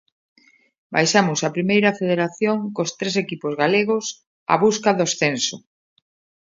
Baixamos á Primeira Federación, cos tres equipos galegos á busca do ascenso.